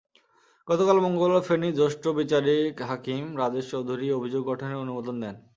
গতকাল মঙ্গলবার ফেনীর জ্যেষ্ঠ বিচারিক হাকিম রাজেশ চৌধুরী অভিযোগ গঠনের অনুমোদন দেন।